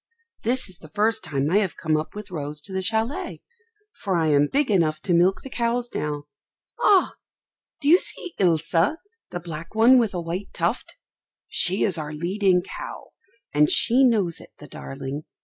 This is the first time I have come up with Rose to the châlet, for I am big enough to milk the cows now. Ah! do you see Ilse, the black one with a white tuft? She is our leading cow, and she knows it, the darling.